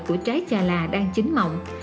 của trái trà lạ đang chín mọng